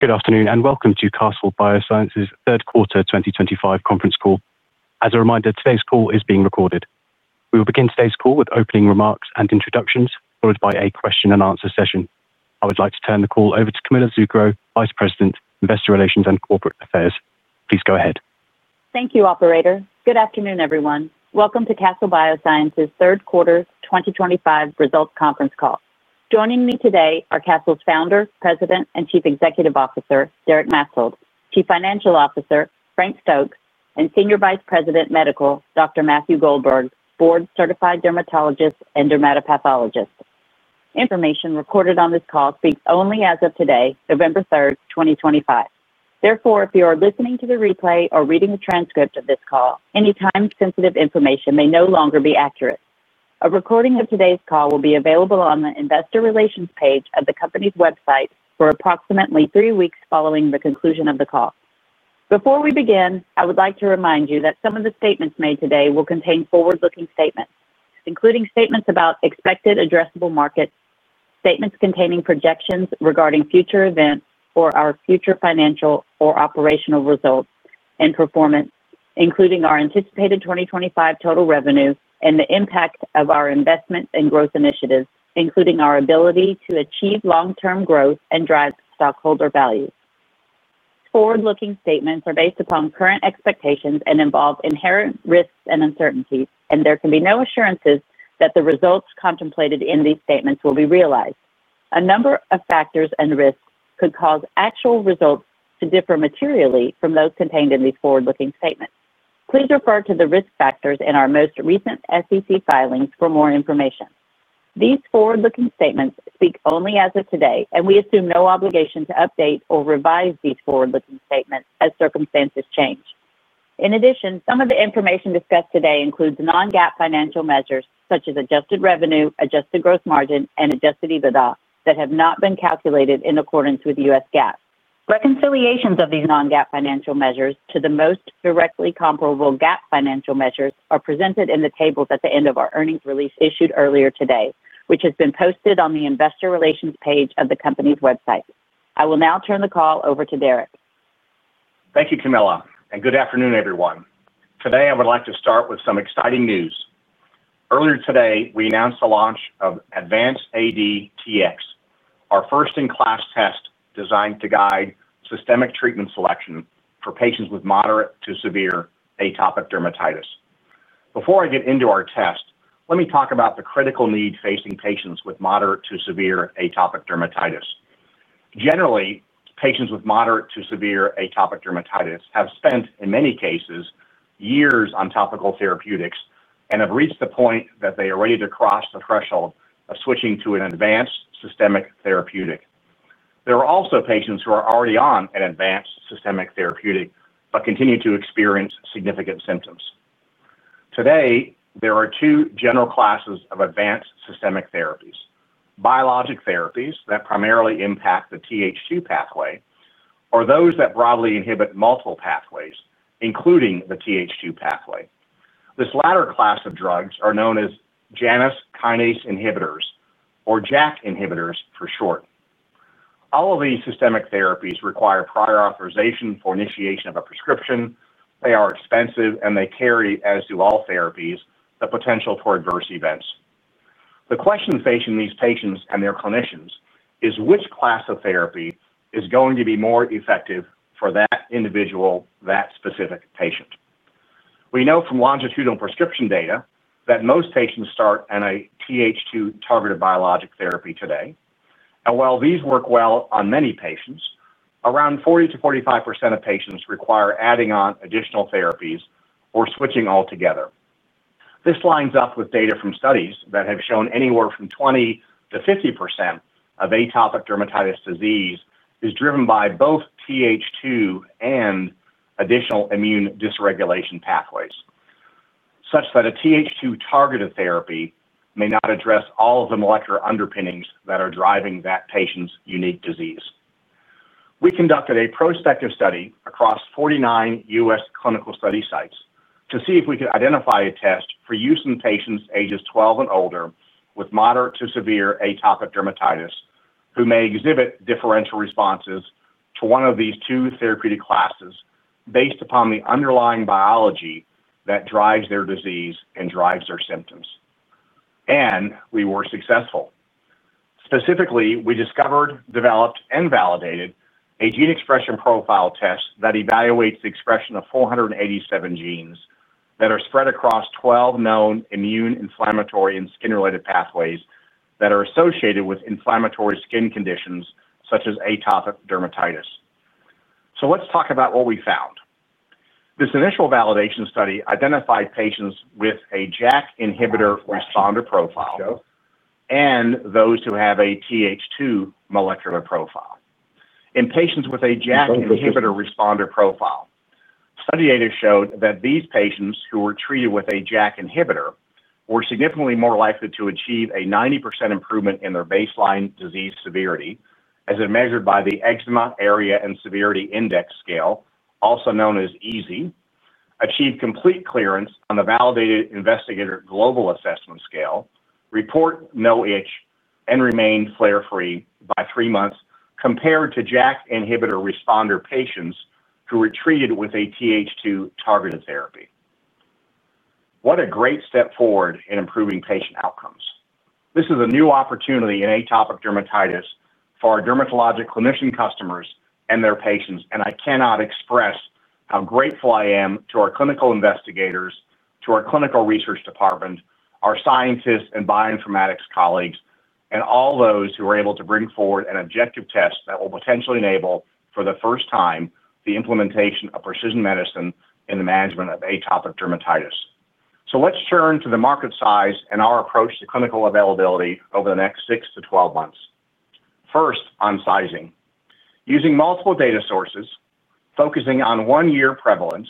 Good afternoon and welcome to Castle Biosciences' third quarter 2025 conference call. As a reminder, today's call is being recorded. We will begin today's call with opening remarks and introductions, followed by a question-and-answer session. I would like to turn the call over to Camilla Zuckero, Vice President, Investor Relations and Corporate Affairs. Please go ahead. Thank you, Operator. Good afternoon, everyone. Welcome to Castle Biosciences' third quarter 2025 results conference call. Joining me today are Castle's Founder, President, and Chief Executive Officer, Derek Maetzold, Chief Financial Officer, Frank Stokes, and Senior Vice President, Medical, Dr. Matthew Goldberg, board-certified dermatologist and dermatopathologist. Information recorded on this call speaks only as of today, November 3rd, 2025. Therefore, if you are listening to the replay or reading the transcript of this call, any time-sensitive information may no longer be accurate. A recording of today's call will be available on the Investor Relations page of the company's website for approximately three weeks following the conclusion of the call. Before we begin, I would like to remind you that some of the statements made today will contain forward-looking statements, including statements about expected addressable markets, statements containing projections regarding future events or our future financial or operational results and performance, including our anticipated 2025 total revenue and the impact of our investment and growth initiatives, including our ability to achieve long-term growth and drive stockholder values. Forward-looking statements are based upon current expectations and involve inherent risks and uncertainties, and there can be no assurances that the results contemplated in these statements will be realized. A number of factors and risks could cause actual results to differ materially from those contained in these forward-looking statements. Please refer to the risk factors in our most recent SEC filings for more information. These forward-looking statements speak only as of today, and we assume no obligation to update or revise these forward-looking statements as circumstances change. In addition, some of the information discussed today includes non-GAAP financial measures such as adjusted revenue, adjusted gross margin, and Adjusted EBITDA that have not been calculated in accordance with U.S. GAAP. Reconciliations of these non-GAAP financial measures to the most directly comparable GAAP financial measures are presented in the tables at the end of our earnings release issued earlier today, which has been posted on the Investor Relations page of the company's website. I will now turn the call over to Derek. Thank you, Camilla, and good afternoon, everyone. Today, I would like to start with some exciting news. Earlier today, we announced the launch of AdvanceAD-Tx, our first-in-class test designed to guide systemic treatment selection for patients with moderate to severe atopic dermatitis. Before I get into our test, let me talk about the critical need facing patients with moderate to severe atopic dermatitis. Generally, patients with moderate to severe atopic dermatitis have spent, in many cases, years on topical therapeutics and have reached the point that they are ready to cross the threshold of switching to an advanced systemic therapeutic. There are also patients who are already on an advanced systemic therapeutic but continue to experience significant symptoms. Today, there are two general classes of advanced systemic therapies: biologic therapies that primarily impact the Th2 pathway, or those that broadly inhibit multiple pathways, including the Th2 pathway. This latter class of drugs is known as Janus kinase inhibitors, or JAK inhibitors for short. All of these systemic therapies require prior authorization for initiation of a prescription. They are expensive, and they carry, as do all therapies, the potential for adverse events. The question facing these patients and their clinicians is which class of therapy is going to be more effective for that individual, that specific patient. We know from longitudinal prescription data that most patients start on a Th2 targeted biologic therapy today. And while these work well on many patients, around 40%-45% of patients require adding on additional therapies or switching altogether. This lines up with data from studies that have shown anywhere from 20%-50% of atopic dermatitis disease is driven by both Th2 and additional immune dysregulation pathways. Such that a Th2 targeted therapy may not address all of the molecular underpinnings that are driving that patient's unique disease. We conducted a prospective study across 49 U.S. clinical study sites to see if we could identify a test for use in patients ages 12 and older with moderate to severe atopic dermatitis who may exhibit differential responses to one of these two therapeutic classes based upon the underlying biology that drives their disease and drives their symptoms. We were successful. Specifically, we discovered, developed, and validated a gene expression profile test that evaluates the expression of 487 genes that are spread across 12 known immune inflammatory and skin-related pathways that are associated with inflammatory skin conditions such as atopic dermatitis. Let's talk about what we found. This initial validation study identified patients with a JAK inhibitor responder profile and those who have a Th2 molecular profile. In patients with a JAK inhibitor responder profile, study data showed that these patients who were treated with a JAK inhibitor were significantly more likely to achieve a 90% improvement in their baseline disease severity, as measured by the Eczema Area and Severity Index scale, also known as EASI, achieve complete clearance on the validated Investigator Global Assessment scale, report no itch, and remain flare-free by three months compared to JAK inhibitor responder patients who were treated with a Th2 targeted therapy. What a great step forward in improving patient outcomes. This is a new opportunity in atopic dermatitis for our dermatologic clinician customers and their patients, and I cannot express how grateful I am to our clinical investigators, to our clinical research department, our scientists and bioinformatics colleagues, and all those who are able to bring forward an objective test that will potentially enable, for the first time, the implementation of precision medicine in the management of atopic dermatitis. Let's turn to the market size and our approach to clinical availability over the next 6-12 months. First, on sizing. Using multiple data sources, focusing on one-year prevalence,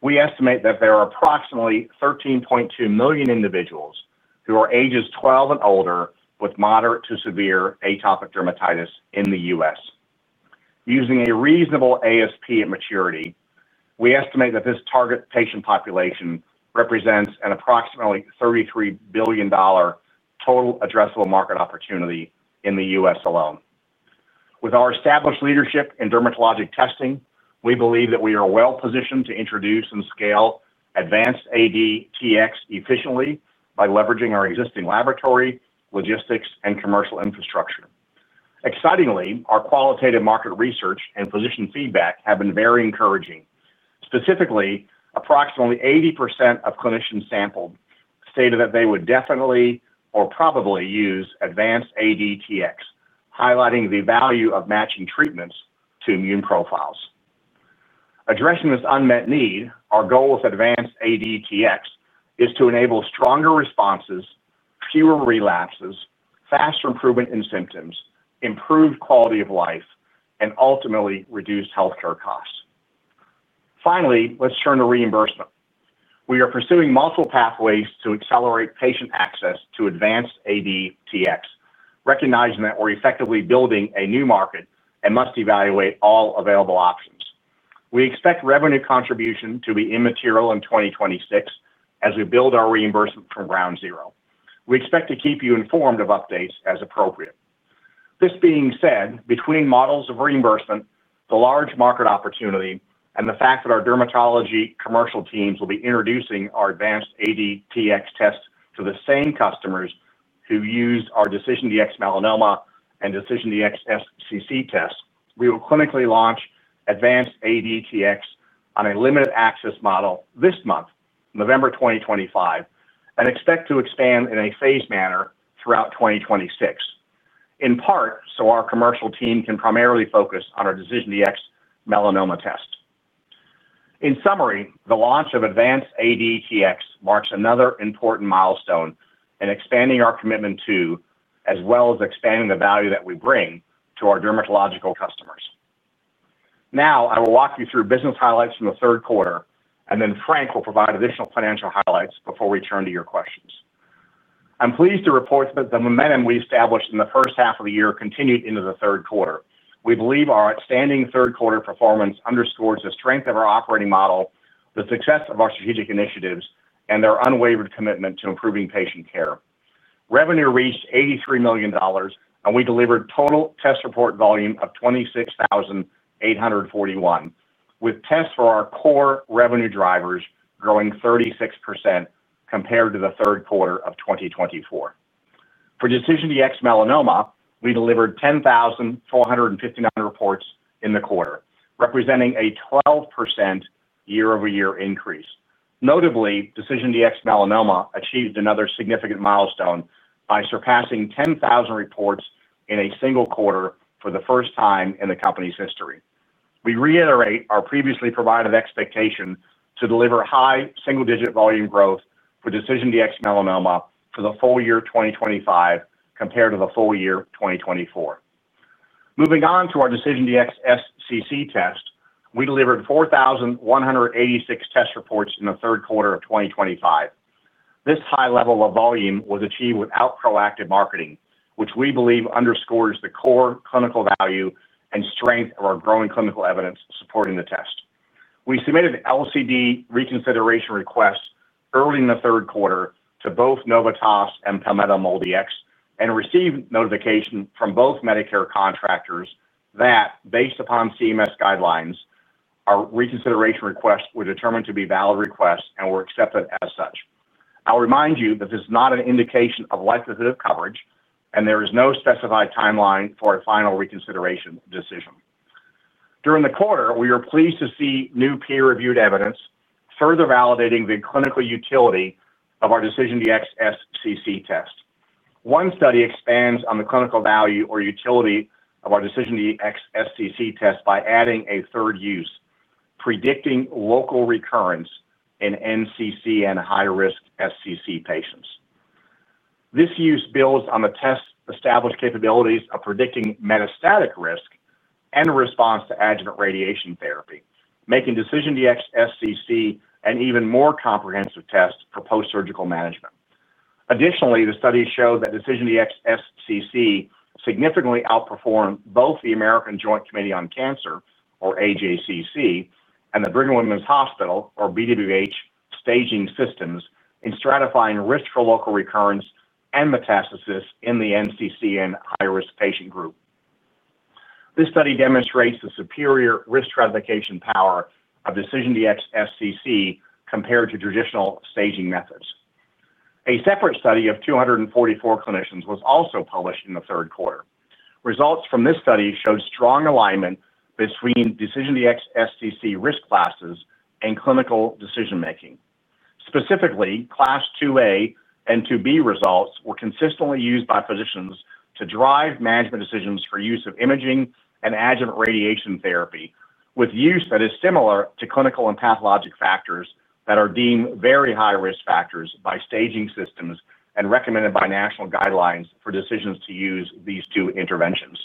we estimate that there are approximately 13.2 million individuals who are ages 12 and older with moderate to severe atopic dermatitis in the U.S. Using a reasonable ASP at maturity, we estimate that this target patient population represents an approximately $33 billion total addressable market opportunity in the U.S alone. With our established leadership in dermatologic testing, we believe that we are well-positioned to introduce and scale AdvanceAD-Tx efficiently by leveraging our existing laboratory, logistics, and commercial infrastructure. Excitingly, our qualitative market research and physician feedback have been very encouraging. Specifically, approximately 80% of clinicians sampled stated that they would definitely or probably use AdvanceAD-Tx, highlighting the value of matching treatments to immune profiles. Addressing this unmet need, our goal with AdvanceAD-Tx is to enable stronger responses, fewer relapses, faster improvement in symptoms, improved quality of life, and ultimately reduced healthcare costs. Finally, let's turn to reimbursement. We are pursuing multiple pathways to accelerate patient access to AdvanceAD-Tx, recognizing that we're effectively building a new market and must evaluate all available options. We expect revenue contribution to be immaterial in 2026 as we build our reimbursement from ground zero. We expect to keep you informed of updates as appropriate. This being said, between models of reimbursement, the large market opportunity, and the fact that our dermatology commercial teams will be introducing our AdvanceAD-Tx test to the same customers who use our DecisionDx-Melanoma and DecisionDx-SCC test, we will clinically launch AdvanceAD-Tx on a limited access model this month, November 2025, and expect to expand in a phased manner throughout 2026, in part so our commercial team can primarily focus on our DecisionDx-Melanoma test. In summary, the launch of AdvanceAD-Tx marks another important milestone in expanding our commitment to, as well as expanding the value that we bring to our dermatological customers. Now, I will walk you through business highlights from the third quarter, and then Frank will provide additional financial highlights before we turn to your questions. I'm pleased to report that the momentum we established in the first half of the year continued into the third quarter. We believe our outstanding third quarter performance underscores the strength of our operating model, the success of our strategic initiatives, and our unwavering commitment to improving patient care. Revenue reached $83 million, and we delivered total test report volume of 26,841, with tests for our core revenue drivers growing 36% compared to the third quarter of 2024. For DecisionDx-Melanoma, we delivered 10,459 reports in the quarter, representing a 12% year-over-year increase. Notably, DecisionDx-Melanoma achieved another significant milestone by surpassing 10,000 reports in a single quarter for the first time in the company's history. We reiterate our previously provided expectation to deliver high single-digit volume growth for DecisionDx-Melanoma for the full year 2025 compared to the full year 2024. Moving on to our DecisionDx-SCC test, we delivered 4,186 test reports in the third quarter of 2025. This high level of volume was achieved without proactive marketing, which we believe underscores the core clinical value and strength of our growing clinical evidence supporting the test. We submitted LCD reconsideration requests early in the third quarter to both Novitas and Palmetto MolDX and received notification from both Medicare contractors that, based upon CMS guidelines, our reconsideration requests were determined to be valid requests and were accepted as such. I'll remind you that this is not an indication of likelihood of coverage, and there is no specified timeline for a final reconsideration decision. During the quarter, we were pleased to see new peer-reviewed evidence further validating the clinical utility of our DecisionDx-SCC test. One study expands on the clinical value or utility of our DecisionDx-SCC test by adding a third use, predicting local recurrence in NCCN and high-risk SCC patients. This use builds on the test's established capabilities of predicting metastatic risk and response to adjuvant radiation therapy, making DecisionDx-SCC an even more comprehensive test for post-surgical management. Additionally, the study showed that DecisionDx-SCC significantly outperformed both the American Joint Committee on Cancer, or AJCC, and the Brigham and Women’s Hospital, or BWH, staging systems in stratifying risk for local recurrence and metastasis in the NCCN and high-risk patient group. This study demonstrates the superior risk stratification power of DecisionDx-SCC compared to traditional staging methods. A separate study of 244 clinicians was also published in the third quarter. Results from this study showed strong alignment between DecisionDx-SCC risk classes and clinical decision-making. Specifically, Class 2A and 2B results were consistently used by physicians to drive management decisions for use of imaging and adjuvant radiation therapy, with use that is similar to clinical and pathologic factors that are deemed very high-risk factors by staging systems and recommended by national guidelines for decisions to use these two interventions.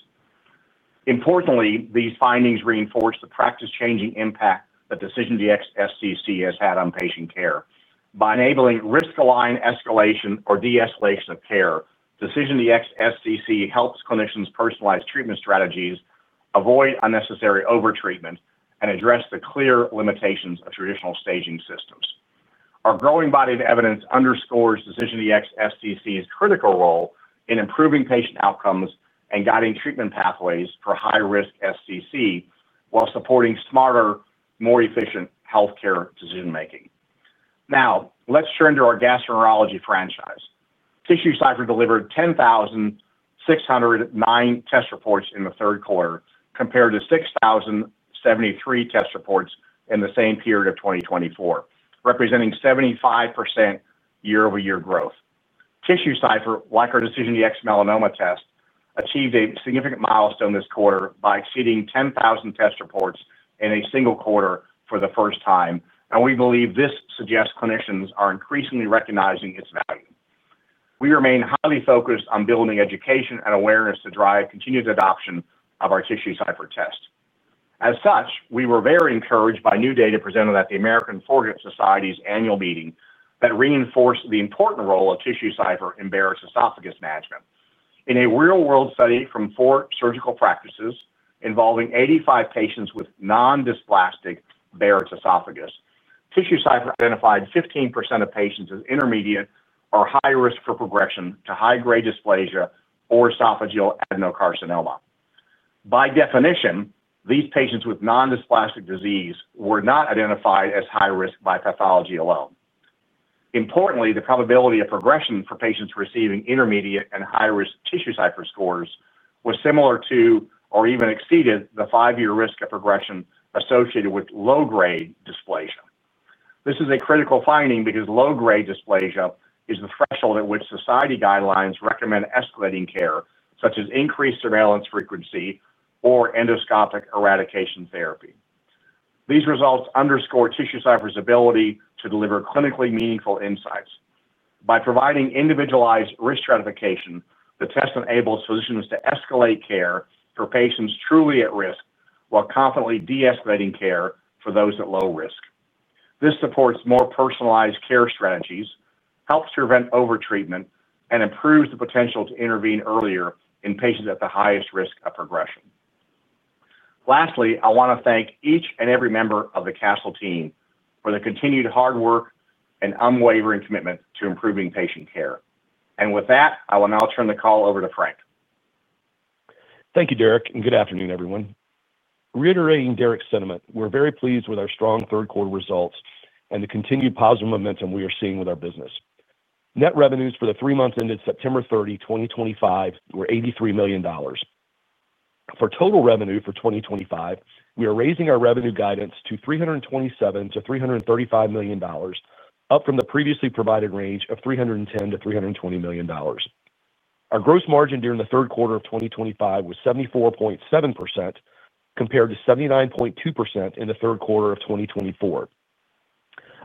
Importantly, these findings reinforce the practice-changing impact that DecisionDx-SCC has had on patient care. By enabling risk-aligned escalation or de-escalation of care, DecisionDx-SCC helps clinicians personalize treatment strategies, avoid unnecessary overtreatment, and address the clear limitations of traditional staging systems. Our growing body of evidence underscores DecisionDx-SCC's critical role in improving patient outcomes and guiding treatment pathways for high-risk SCC while supporting smarter, more efficient healthcare decision-making. Now, let's turn to our gastroenterology franchise. TissueCypher delivered 10,609 test reports in the third quarter compared to 6,073 test reports in the same period of 2024, representing 75% year-over-year growth. TissueCypher, like our DecisionDx-Melanoma test, achieved a significant milestone this quarter by exceeding 10,000 test reports in a single quarter for the first time, and we believe this suggests clinicians are increasingly recognizing its value. We remain highly focused on building education and awareness to drive continued adoption of our TissueCypher test. As such, we were very encouraged by new data presented at the American College of Gastroenterology's annual meeting that reinforced the important role of TissueCypher in Barrett's esophagus management. In a real-world study from four surgical practices involving 85 patients with non-dysplastic Barrett's esophagus, TissueCypher identified 15% of patients as intermediate or high risk for progression to high-grade dysplasia or esophageal adenocarcinoma. By definition, these patients with non-dysplastic disease were not identified as high risk by pathology alone. Importantly, the probability of progression for patients receiving intermediate and high-risk TissueCypher scores was similar to or even exceeded the five-year risk of progression associated with low-grade dysplasia. This is a critical finding because low-grade dysplasia is the threshold at which society guidelines recommend escalating care, such as increased surveillance frequency or endoscopic eradication therapy. These results underscore TissueCypher's ability to deliver clinically meaningful insights. By providing individualized risk stratification, the test enables physicians to escalate care for patients truly at risk while confidently de-escalating care for those at low risk. This supports more personalized care strategies, helps to prevent overtreatment, and improves the potential to intervene earlier in patients at the highest risk of progression. Lastly, I want to thank each and every member of the Castle team for the continued hard work and unwavering commitment to improving patient care. I will now turn the call over to Frank. Thank you, Derek, and good afternoon, everyone. Reiterating Derek's sentiment, we're very pleased with our strong third quarter results and the continued positive momentum we are seeing with our business. Net revenues for the three months ended September 30, 2025, were $83 million. For total revenue for 2025, we are raising our revenue guidance to $327-$335 million, up from the previously provided range of $310 million-$320 million. Our gross margin during the third quarter of 2025 was 74.7% compared to 79.2% in the third quarter of 2024.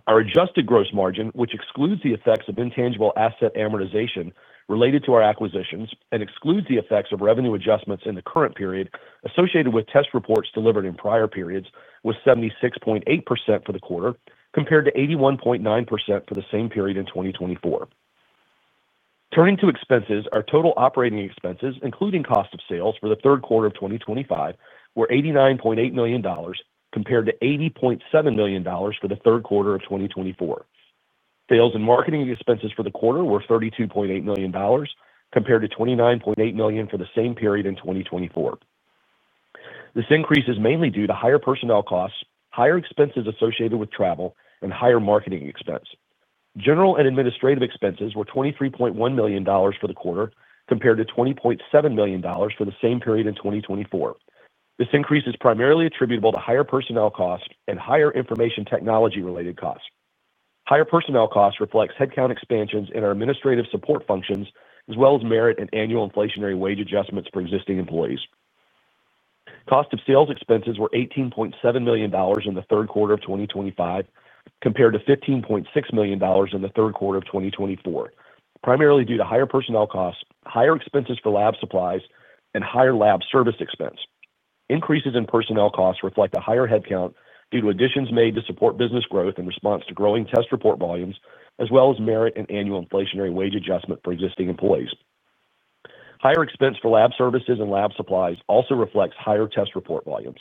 Our adjusted gross margin, which excludes the effects of intangible asset amortization related to our acquisitions and excludes the effects of revenue adjustments in the current period associated with test reports delivered in prior periods, was 76.8% for the quarter compared to 81.9% for the same period in 2024. Turning to expenses, our total operating expenses, including cost of sales for the third quarter of 2025, were $89.8 million compared to $80.7 million for the third quarter of 2024. Sales and marketing expenses for the quarter were $32.8 million compared to $29.8 million for the same period in 2024. This increase is mainly due to higher personnel costs, higher expenses associated with travel, and higher marketing expense. General and administrative expenses were $23.1 million for the quarter compared to $20.7 million for the same period in 2024. This increase is primarily attributable to higher personnel costs and higher information technology-related costs. Higher personnel costs reflect headcount expansions in our administrative support functions, as well as merit and annual inflationary wage adjustments for existing employees. Cost of sales expenses were $18.7 million in the third quarter of 2025 compared to $15.6 million in the third quarter of 2024, primarily due to higher personnel costs, higher expenses for lab supplies, and higher lab service expense. Increases in personnel costs reflect a higher headcount due to additions made to support business growth in response to growing test report volumes, as well as merit and annual inflationary wage adjustment for existing employees. Higher expense for lab services and lab supplies also reflects higher test report volumes.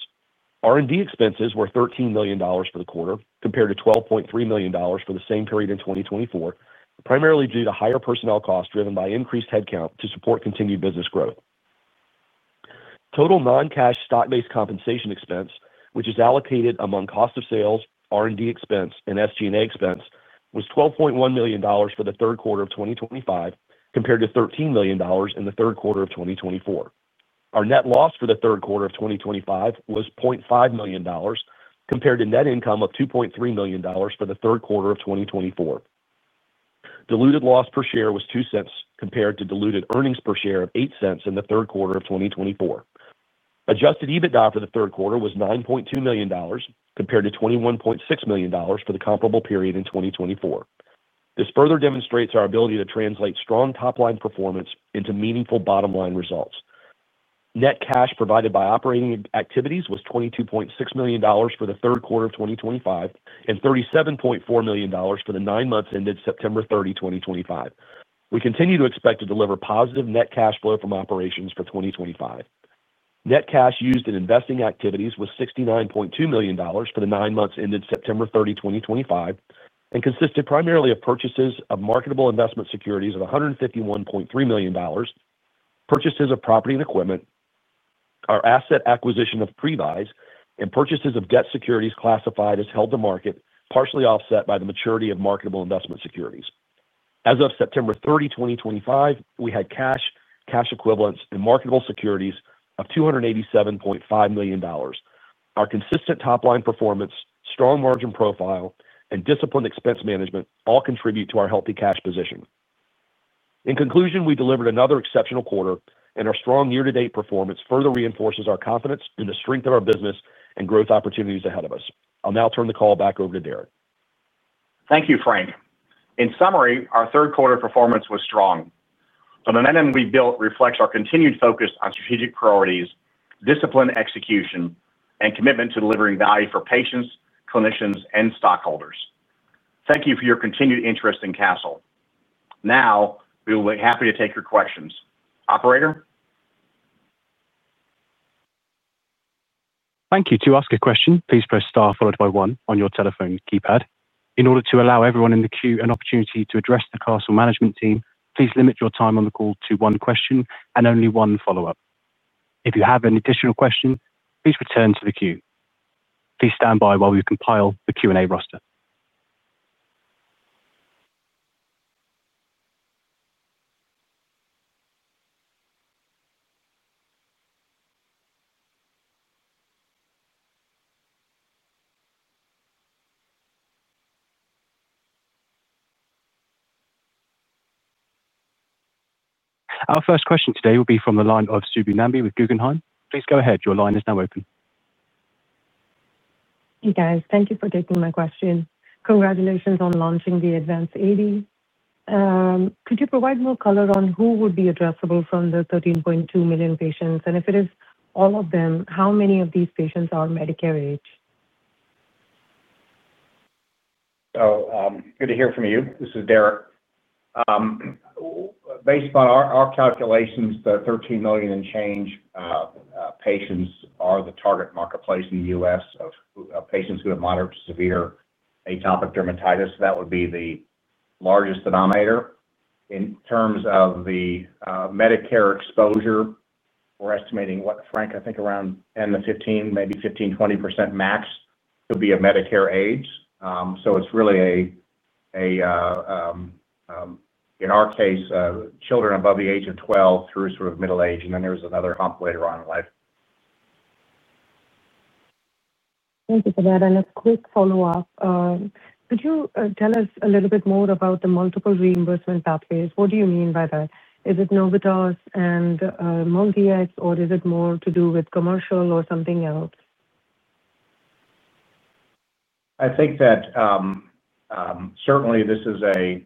R&D expenses were $13 million for the quarter compared to $12.3 million for the same period in 2024, primarily due to higher personnel costs driven by increased headcount to support continued business growth. Total non-cash stock-based compensation expense, which is allocated among cost of sales, R&D expense, and SG&A expense, was $12.1 million for the third quarter of 2025 compared to $13 million in the third quarter of 2024. Our net loss for the third quarter of 2025 was $0.5 million compared to net income of $2.3 million for the third quarter of 2024. Diluted loss per share was $0.02 compared to diluted earnings per share of $0.08 in the third quarter of 2024. Adjusted EBITDA for the third quarter was $9.2 million compared to $21.6 million for the comparable period in 2024. This further demonstrates our ability to translate strong top-line performance into meaningful bottom-line results. Net cash provided by operating activities was $22.6 million for the third quarter of 2025 and $37.4 million for the nine months ended September 30, 2025. We continue to expect to deliver positive net cash flow from operations for 2025. Net cash used in investing activities was $69.2 million for the nine months ended September 30, 2025, and consisted primarily of purchases of marketable investment securities of $151.3 million, purchases of property and equipment, our asset acquisition of Previse, and purchases of debt securities classified as held to market, partially offset by the maturity of marketable investment securities. As of September 30, 2025, we had cash, cash equivalents, and marketable securities of $287.5 million. Our consistent top-line performance, strong margin profile, and disciplined expense management all contribute to our healthy cash position. In conclusion, we delivered another exceptional quarter, and our strong year-to-date performance further reinforces our confidence in the strength of our business and growth opportunities ahead of us. I'll now turn the call back over to Derek. Thank you, Frank. In summary, our third quarter performance was strong. The momentum we built reflects our continued focus on strategic priorities, disciplined execution, and commitment to delivering value for patients, clinicians, and stockholders. Thank you for your continued interest in Castle. Now, we will be happy to take your questions. Operator? Thank you. To ask a question, please press star followed by one on your telephone keypad. In order to allow everyone in the queue an opportunity to address the Castle Management Team, please limit your time on the call to one question and only one follow-up. If you have an additional question, please return to the queue. Please stand by while we compile the Q&A roster. Our first question today will be from the line of Subbu Nambi with Guggenheim. Please go ahead. Your line is now open. Hey, guys. Thank you for taking my question. Congratulations on launching the AdvanceAD. Could you provide more color on who would be addressable from the 13.2 million patients? And if it is all of them, how many of these patients are Medicare age? So good to hear from you. This is Derek. Based upon our calculations, the 13 million and change patients are the target marketplace in the U.S. of patients who have moderate to severe atopic dermatitis. That would be the largest denominator. In terms of the Medicare exposure, we're estimating what, Frank, I think around 10%-15%, maybe 15%-20% max could be of Medicare age. So it's really a, in our case, children above the age of 12 through sort of middle age, and then there's another hump later on in life. Thank you for that. And a quick follow-up. Could you tell us a little bit more about the multiple reimbursement pathways? What do you mean by that? Is it Novitas and MolDX, or is it more to do with commercial or something else? I think that certainly this is a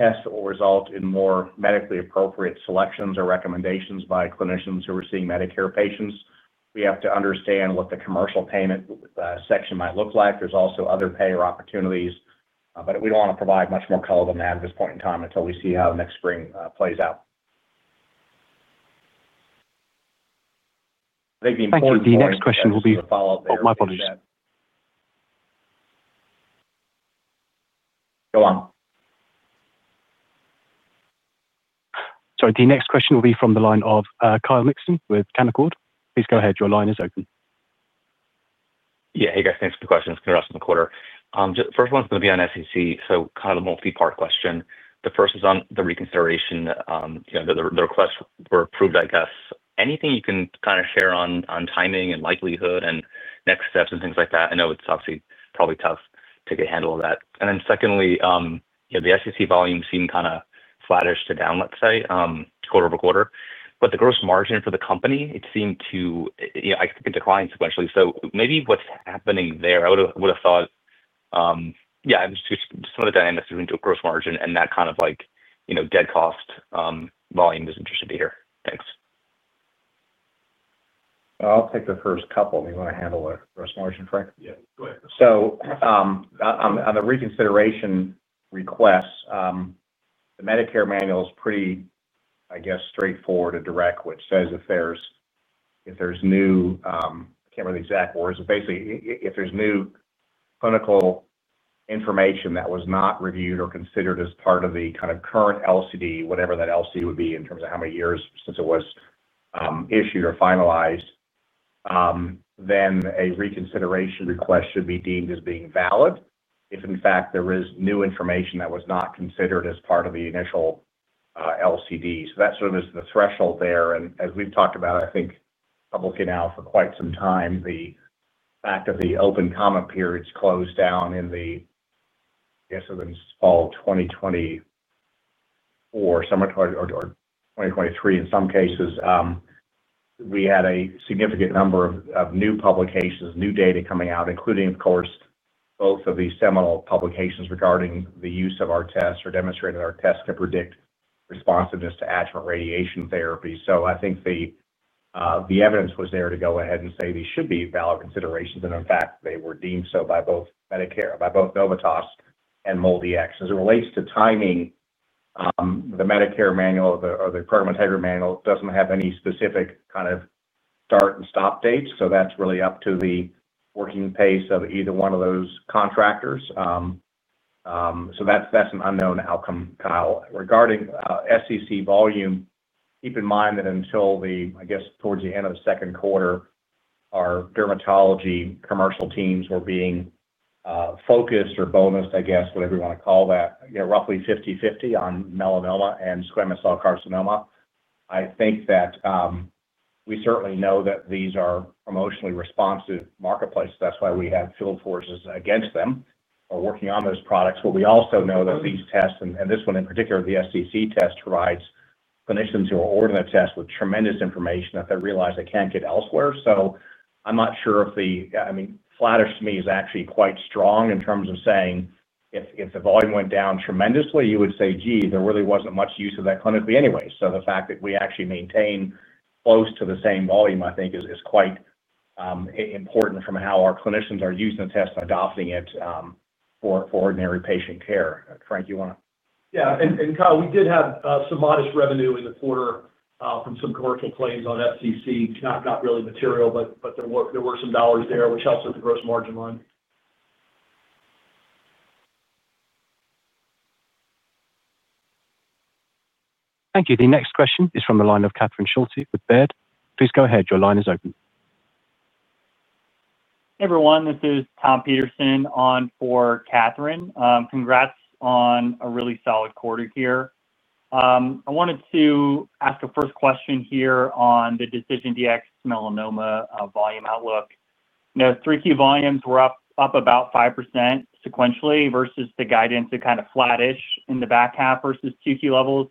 test or result in more medically appropriate selections or recommendations by clinicians who are seeing Medicare patients. We have to understand what the commercial payment section might look like. There's also other payer opportunities, but we do not want to provide much more color than that at this point in time until we see how next spring plays out. I think the important part of the follow-up there. The next question will be from. Apologies. Go on. Sorry. The next question will be from the line of Kyle Mikson with Canaccord. Please go ahead. Your line is open. Yeah. Hey, guys. Thanks for the questions. Can I ask a quarter? The first one's going to be on SCC, so kind of a multi-part question. The first is on the reconsideration. The requests were approved, I guess. Anything you can kind of share on timing and likelihood and next steps and things like that? I know it is obviously probably tough to get a handle on that. And then secondly, the SCC volume seemed kind of flattish to down, let's say, quarter over quarter. But the gross margin for the company, it seemed to decline sequentially. So maybe what's happening there, I would have thought. Yeah, some of the dynamics between gross margin and that kind of dead cost. Volume is interested here. Thanks. I'll take the first couple. You want to handle the gross margin, Frank? Yeah. Go ahead. So. On the reconsideration request. The Medicare manual is pretty, I guess, straightforward and direct, which says if there is new, I cannot remember the exact words. Basically, if there is new clinical information that was not reviewed or considered as part of the kind of current LCD, whatever that LCD would be in terms of how many years since it was issued or finalized, then a reconsideration request should be deemed as being valid if, in fact, there is new information that was not considered as part of the initial LCD. That sort of is the threshold there. And as we have talked about, I think publicly now for quite some time, the fact of the open comment periods closed down in the, I guess, it was fall 2024 or 2023, in some cases. We had a significant number of new publications, new data coming out, including, of course, both of the seminal publications regarding the use of our tests or demonstrating our tests can predict responsiveness to adjuvant radiation therapy. I think the evidence was there to go ahead and say these should be valid considerations. And in fact, they were deemed so by both Novitas and MolDX. As it relates to timing, the Medicare manual or the program integrity manual does not have any specific kind of start and stop dates. That is really up to the working pace of either one of those contractors. That is an unknown outcome, Kyle. Regarding SCC volume, keep in mind that until, I guess, towards the end of the second quarter, our dermatology commercial teams were being focused or bonused, I guess, whatever you want to call that, roughly 50/50 on melanoma and squamous cell carcinoma. I think that. We certainly know that these are emotionally responsive marketplaces. That's why we have field forces against them or working on those products. But we also know that these tests, and this one in particular, the SCC test provides clinicians who are ordering the test with tremendous information that they realize they can't get elsewhere. I'm not sure if the, I mean, flattish to me is actually quite strong in terms of saying if the volume went down tremendously, you would say, "Gee, there really wasn't much use of that clinically anyway." The fact that we actually maintain close to the same volume, I think, is quite important from how our clinicians are using the test and adopting it for ordinary patient care. Frank, you want to? Yeah. And Kyle, we did have some modest revenue in the quarter from some commercial claims on SCC. Not really material, but there were some dollars there, which helps with the gross margin line. Thank you. The next question is from the line of Catherine Schulte with Baird. Please go ahead. Your line is open. Hey, everyone. This is Tom Peterson on for Catherine. Congrats on a really solid quarter here. I wanted to ask a first question here on the DecisionDx-Melanoma volume outlook. Now, Q3 volumes were up about 5% sequentially versus the guidance that kind of flattish in the back half versus Q2 levels.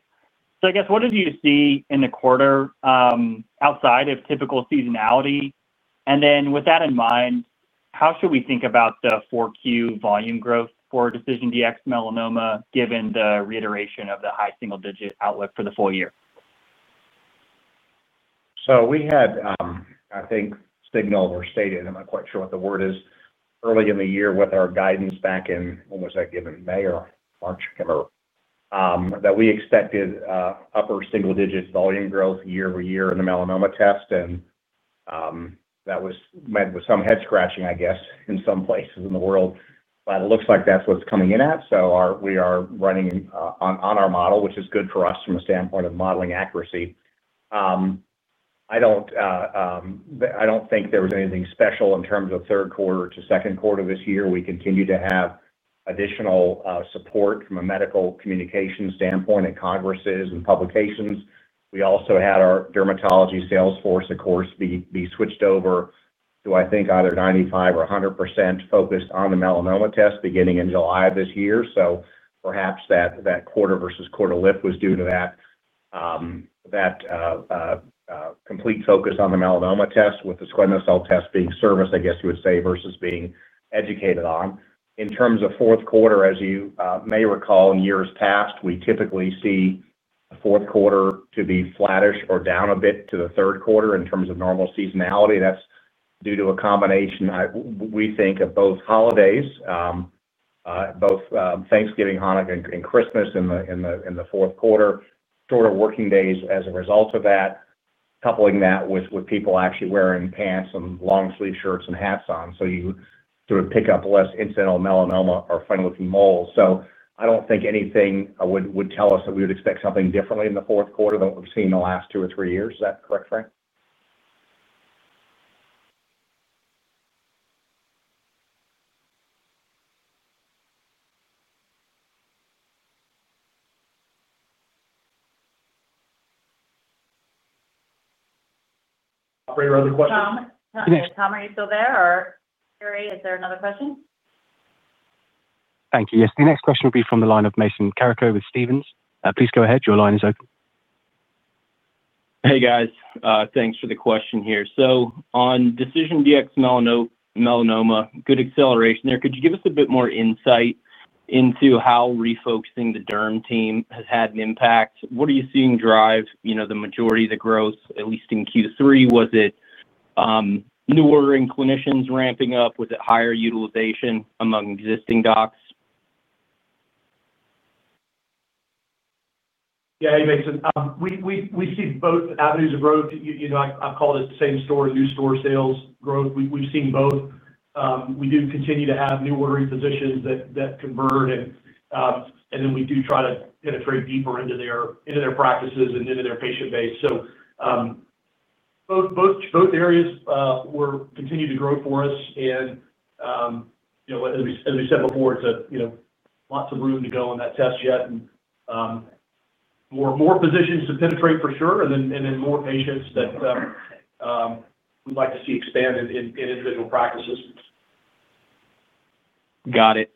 I guess, what did you see in the quarter outside of typical seasonality? With that in mind, how should we think about the Q4 volume growth for DecisionDx-Melanoma given the reiteration of the high single-digit outlook for the full year? We had, I think, signaled or stated, I'm not quite sure what the word is, early in the year with our guidance back in, when was that? Give it May or March, I can't remember, that we expected upper single-digit volume growth year over year in the melanoma test. That was met with some head scratching, I guess, in some places in the world. It looks like that's what's coming in at. We are running on our model, which is good for us from a standpoint of modeling accuracy. I don't think there was anything special in terms of third quarter to second quarter this year. We continue to have additional support from a medical communication standpoint and congresses and publications. We also had our dermatology sales force, of course, be switched over to, I think, either 95% or 100% focused on the melanoma test beginning in July of this year. Perhaps that quarter versus quarter lift was due to that complete focus on the melanoma test with the squamous cell test being serviced, I guess you would say, versus being educated on. In terms of fourth quarter, as you may recall in years past, we typically see the fourth quarter to be flattish or down a bit to the third quarter in terms of normal seasonality. That's due to a combination, we think, of both holidays. Both Thanksgiving, Hanukkah, and Christmas in the fourth quarter, shorter working days as a result of that, coupling that with people actually wearing pants and long sleeve shirts and hats on. You sort of pick up less incidental melanoma or funny-looking moles. I don't think anything would tell us that we would expect something differently in the fourth quarter than what we've seen in the last two or three years. Is that correct, Frank? Operator, other questions? Tom? Tom, are you still there, or? Jerry, is there another question? Thank you. Yes. The next question will be from the line of Mason Carrico with Stephens. Please go ahead. Your line is open. Hey, guys. Thanks for the question here. On DecisionDx-Melanoma, good acceleration there. Could you give us a bit more insight into how refocusing the derm team has had an impact? What are you seeing drive the majority of the growth, at least in Q3? Was it newer clinicians ramping up? Was it higher utilization among existing docs? Yeah. Hey, Mason. We see both avenues of growth. I've called it the same store, new store sales growth. We've seen both. We do continue to have new ordering positions that convert. We do try to penetrate deeper into their practices and into their patient base. Both areas continue to grow for us. As we said before, it's lots of room to go on that test yet. More positions to penetrate for sure, and then more patients that we'd like to see expanded in individual practices. Got it.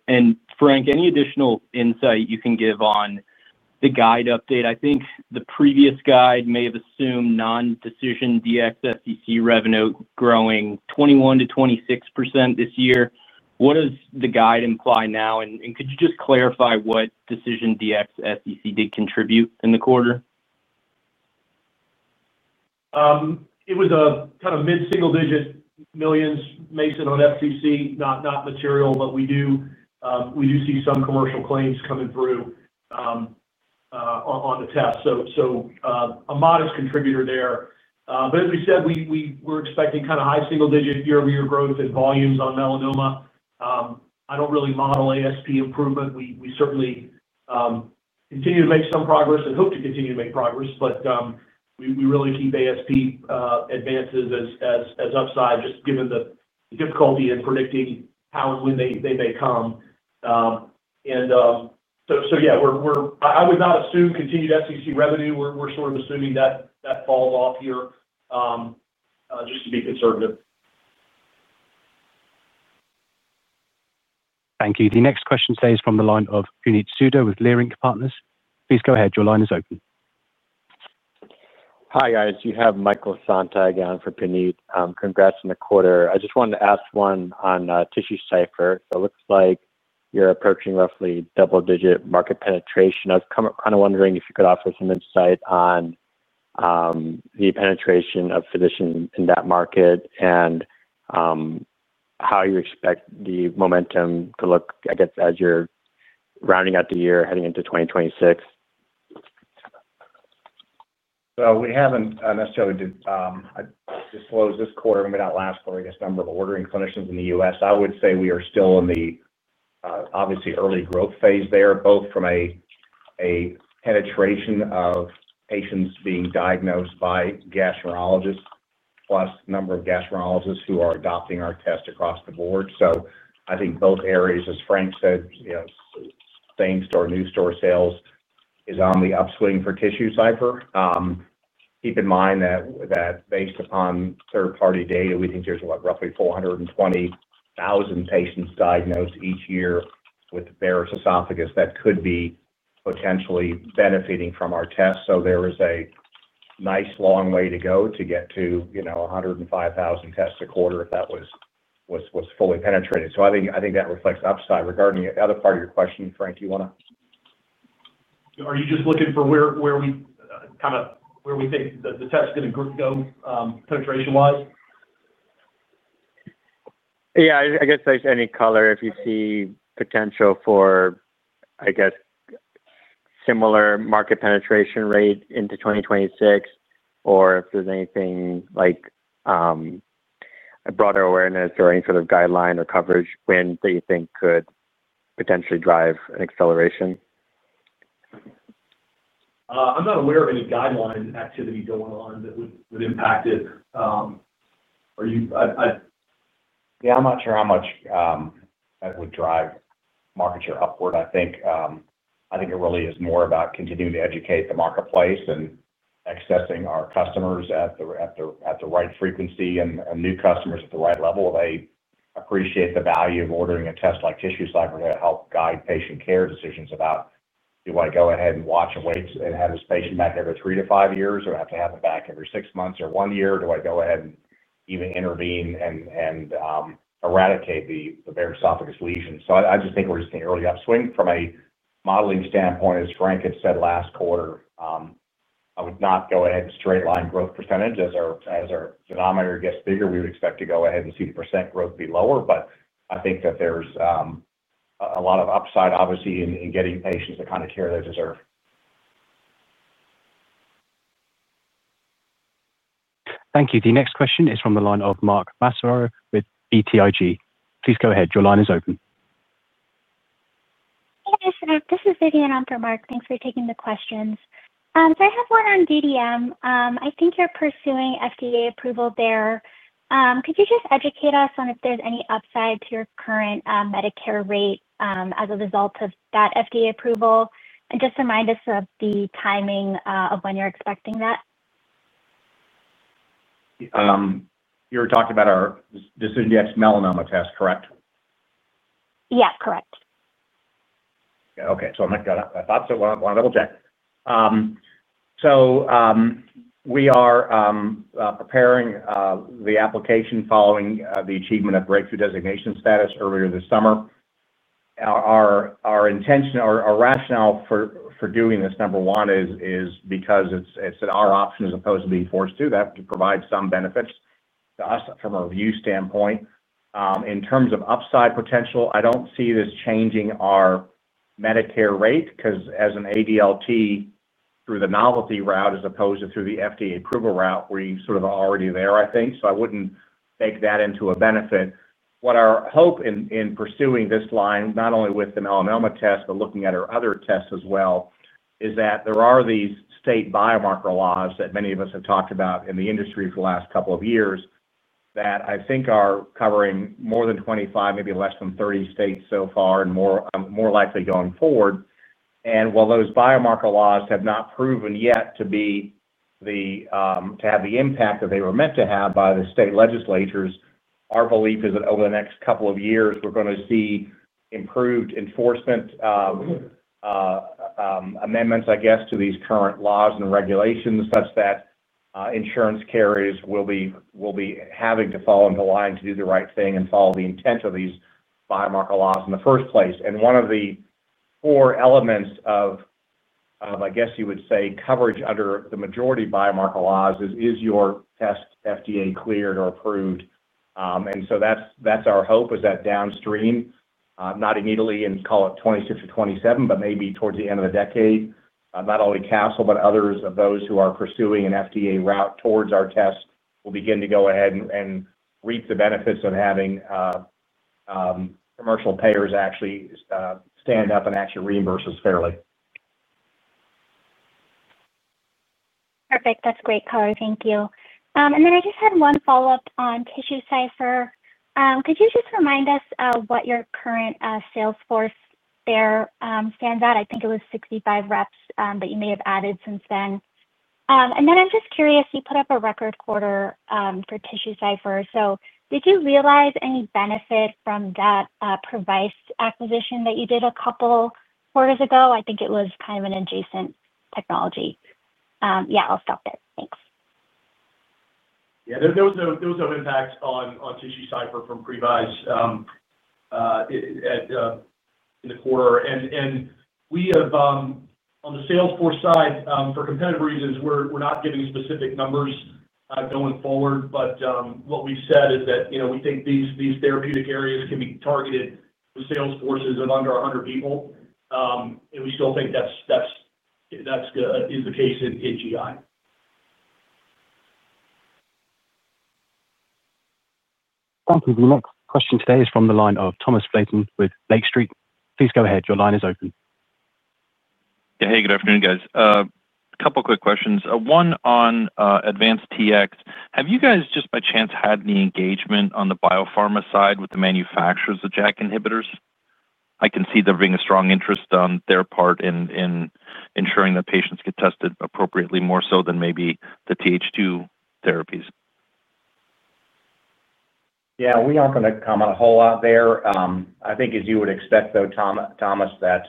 Frank, any additional insight you can give on the guide update? I think the previous guide may have assumed non-DecisionDx-SCC revenue growing 21%-26% this year. What does the guide imply now? Could you just clarify what DecisionDx-SCC did contribute in the quarter? It was a kind of mid-single-digit millions, Mason, on SCC. Not material, but we do see some commercial claims coming through on the test. A modest contributor there. As we said, we were expecting kind of high single-digit year-over-year growth in volumes on melanoma. I don't really model ASP improvement. We certainly continue to make some progress and hope to continue to make progress, but we really keep ASP advances as upside just given the difficulty in predicting how and when they may come. I would not assume continued SCC revenue. We're sort of assuming that falls off here just to be conservative. Thank you. The next question today is from the line of Puneet Souda with Leerink Partners. Please go ahead. Your line is open. Hi, guys. You have Michael Sonntag on for Puneet. Congrats on the quarter. I just wanted to ask one on TissueCypher. It looks like you're approaching roughly double-digit market penetration. I was kind of wondering if you could offer some insight on the penetration of physicians in that market and how you expect the momentum to look, I guess, as you're rounding out the year, heading into 2026. We haven't necessarily disclosed this quarter, maybe not last quarter, I guess, number of ordering clinicians in the United States. I would say we are still in the obviously early growth phase there, both from a penetration of patients being diagnosed by gastroenterologists, plus number of gastroenterologists who are adopting our test across the board. I think both areas, as Frank said, thanks to our new store sales, are on the upswing for TissueCypher. Keep in mind that based upon third-party data, we think there's roughly 420,000 patients diagnosed each year with Barrett’s esophagus that could be potentially benefiting from our test. There is a nice long way to go to get to 105,000 tests a quarter if that was fully penetrated. I think that reflects upside. Regarding the other part of your question, Frank, do you want to. Are you just looking for where we kind of where we think the test is going to go penetration-wise? Yeah. I guess any color, if you see potential for, I guess, similar market penetration rate into 2026, or if there's anything like a broader awareness or any sort of guideline or coverage win that you think could potentially drive an acceleration. I'm not aware of any guideline activity going on that would impact it. Yeah. I'm not sure how much that would drive market share upward. I think it really is more about continuing to educate the marketplace and accessing our customers at the right frequency and new customers at the right level. They appreciate the value of ordering a test like TissueCypher to help guide patient care decisions about do I go ahead and watch and wait and have this patient back every three to five years, or have to have them back every six months or one year? Do I go ahead and even intervene and eradicate the Barrett’s esophagus lesion? I just think we're just seeing early upswing from a modeling standpoint. As Frank had said last quarter, I would not go ahead and straight-line growth percentage. As our denominator gets bigger, we would expect to go ahead and see the percent growth be lower. I think that there's a lot of upside, obviously, in getting patients the kind of care they deserve. Thank you. The next question is from the line of Mark Massaro with BTIG. Please go ahead. Your line is open. This is Vivian on for Mark. Thanks for taking the questions. I have one on DDM. I think you're pursuing FDA approval there. Could you just educate us on if there's any upside to your current Medicare rate as a result of that FDA approval? And just remind us of the timing of when you're expecting that. You're talking about our DecisionDx-Melanoma test, correct? Yeah. Correct. Okay. So I might get a thought, so I want to double-check. We are preparing the application following the achievement of breakthrough designation status earlier this summer. Our intention or rationale for doing this, number one, is because it's our option as opposed to being forced to. That would provide some benefits to us from a review standpoint. In terms of upside potential, I don't see this changing our Medicare rate because, as an ADLT, through the novelty route as opposed to through the FDA approval route, we sort of are already there, I think. I wouldn't make that into a benefit. What our hope in pursuing this line, not only with the melanoma test, but looking at our other tests as well, is that there are these state biomarker laws that many of us have talked about in the industry for the last couple of years that I think are covering more than 25, maybe less than 30 states so far and more likely going forward. While those biomarker laws have not proven yet to have the impact that they were meant to have by the state legislatures, our belief is that over the next couple of years, we're going to see improved enforcement. Amendments, I guess, to these current laws and regulations such that insurance carriers will be having to fall into line to do the right thing and follow the intent of these biomarker laws in the first place. One of the four elements of, I guess you would say, coverage under the majority biomarker laws is your test FDA-cleared or approved. That's our hope, is that downstream, not immediately in, call it, 2026 or 2027, but maybe towards the end of the decade, not only Castle, but others of those who are pursuing an FDA route towards our test will begin to go ahead and reap the benefits of having commercial payers actually stand up and actually reimburse us fairly. Perfect. That's great color. Thank you. I just had one follow-up on TissueCypher. Could you just remind us of what your current sales force there stands at? I think it was 65 reps, but you may have added since then. I'm just curious, you put up a record quarter for TissueCypher. Did you realize any benefit from that Previse acquisition that you did a couple quarters ago? I think it was kind of an adjacent technology. I'll stop there. Thanks. There was no impact on TissueCypher from Previse in the quarter. On the sales force side, for competitive reasons, we're not giving specific numbers going forward. But what we said is that we think these therapeutic areas can be targeted with sales forces of under 100 people. We still think that's the case in GI. Thank you. The next question today is from the line of Thomas Flaten with Lake Street. Please go ahead. Your line is open. Yeah. Hey, good afternoon, guys. A couple quick questions. One on AdvanceAD-Tx. Have you guys, just by chance, had any engagement on the biopharma side with the manufacturers of JAK inhibitors? I can see there being a strong interest on their part in ensuring that patients get tested appropriately, more so than maybe the Th2 therapies. Yeah. We aren't going to comment a whole lot there. I think, as you would expect, though, Thomas, that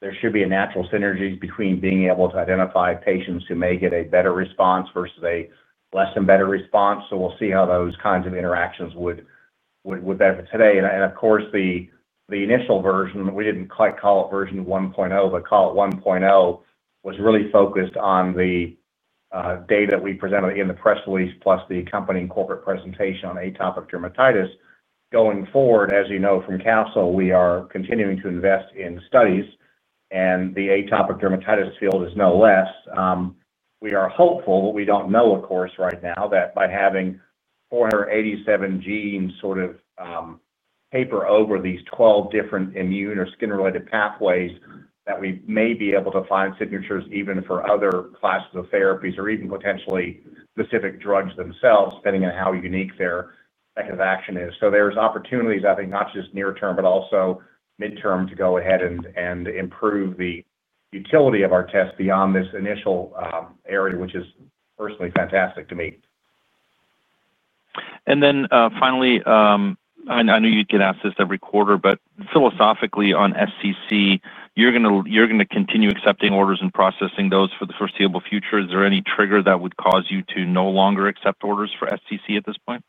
there should be a natural synergy between being able to identify patients who may get a better response versus a less than better response. We will see how those kinds of interactions would benefit today. Of course, the initial version—we did not quite call it version 1.0, but call it 1.0—was really focused on the data that we presented in the press release, plus the accompanying corporate presentation on atopic dermatitis. Going forward, as you know from Castle, we are continuing to invest in studies, and the atopic dermatitis field is no less. We are hopeful—we do not know, of course, right now—that by having 487 genes sort of paper over these 12 different immune or skin-related pathways, we may be able to find signatures even for other classes of therapies or even potentially specific drugs themselves, depending on how unique their second of action is. There are opportunities, I think, not just near-term, but also midterm, to go ahead and improve the utility of our test beyond this initial area, which is personally fantastic to me. And then finally, I know you get asked this every quarter, but philosophically, on SCC, you are going to continue accepting orders and processing those for the foreseeable future. Is there any trigger that would cause you to no longer accept orders for SCC at this point?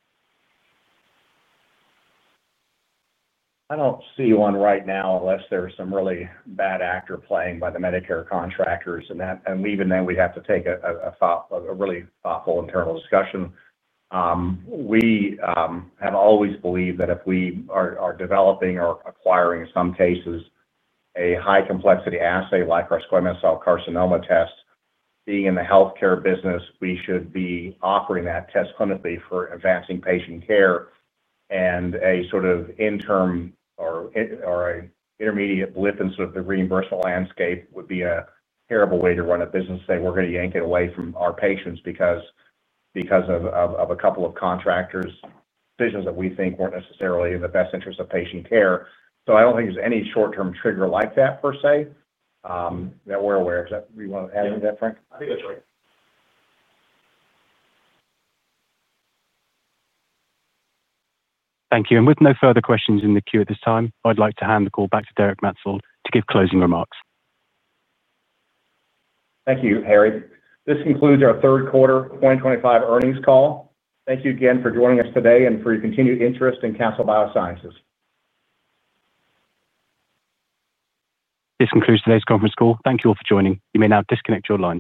I do not see one right now, unless there is some really bad actor playing by the Medicare contractors. Even then, we would have to take a really thoughtful internal discussion. We have always believed that if we are developing or acquiring, in some cases, a high-complexity assay like our squamous cell carcinoma test, being in the healthcare business, we should be offering that test clinically for advancing patient care. A sort of interim or an intermediate blip in the reimbursement landscape would be a terrible way to run a business and say, "We are going to yank it away from our patients because of a couple of contractors," decisions that we think were not necessarily in the best interest of patient care. I do not think there is any short-term trigger like that, per se, that we are aware of. Is that what you want to add to that, Frank? I think that's right. Thank you. With no further questions in the queue at this time, I'd like to hand the call back to Derek Maetzold to give closing remarks. Thank you, Harry. This concludes our third quarter 2025 earnings call. Thank you again for joining us today and for your continued interest in Castle Biosciences. This concludes today's conference call. Thank you all for joining. You may now disconnect your lines.